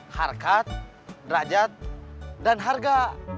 harkat derajat dan harga